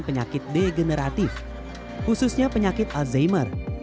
penyakit degeneratif khususnya penyakit alzheimer